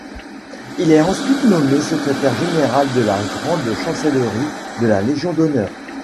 Il est ensuite nommé Secrétaire général de la grande chancellerie de la Légion d'honneur.